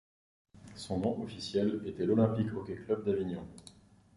Son nom officiel était l'Olympique Hockey Club d'Avignon.